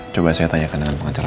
coba saya tanyakan dengan pengacara